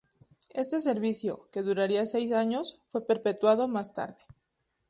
Este servicio, que duraría seis años, fue perpetuado más tarde.